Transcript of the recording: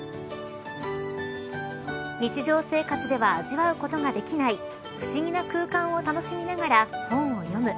日常生活では味わうことができない不思議な空間を楽しみながら本を読む。